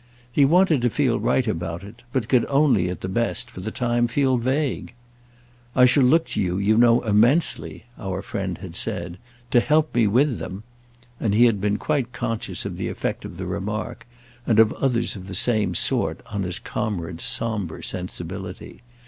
He wanted to feel right about it, but could only, at the best, for the time, feel vague. "I shall look to you, you know, immensely," our friend had said, "to help me with them," and he had been quite conscious of the effect of the remark, and of others of the same sort, on his comrade's sombre sensibility.